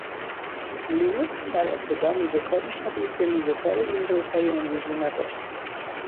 لینوکس در ابتدا میزکاری شبیه به میز کار ویندوزهای امروزی نداشت.